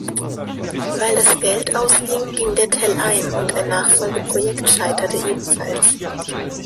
Weil das Geld ausging, ging der Tell ein und ein Nachfolgeprojekt scheiterte ebenfalls.